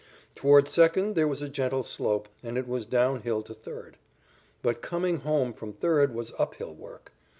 Toward second there was a gentle slope, and it was down hill to third. But coming home from third was up hill work.